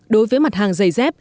đối với mặt hàng giày dép